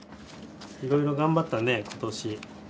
いろいろ頑張ったね今年。